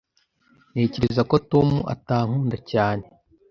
Ntekereza ko Tom atankunda cyane.